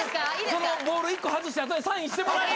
そのボール１個外して後でサインしてもらい！